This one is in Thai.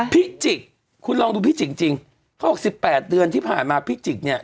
พิจิกคุณลองดูพิจิกจริงเขาบอก๑๘เดือนที่ผ่านมาพิจิกเนี่ย